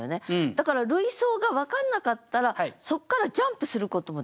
だから類想が分かんなかったらそっからジャンプすることもできないじゃん。